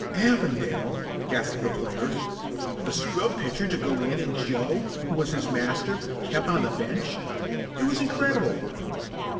"Avondale!" gasped the players. The scrub pitcher to go in and Joe, who was his master, kept on the bench? It was incredible.